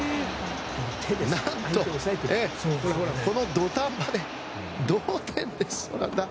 何とこの土壇場で同点です。